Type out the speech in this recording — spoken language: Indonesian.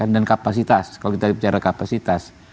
dan kapasitas kalau kita bicara kapasitas